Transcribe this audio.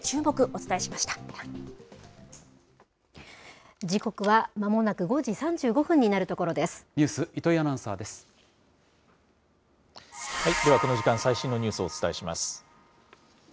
お伝えし時刻はまもなく５時３５分にニュース、糸井アナウンサーではこの時間、最新のニュースをお伝えします。